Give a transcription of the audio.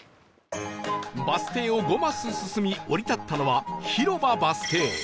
バス停を５マス進み降り立ったのは広場バス停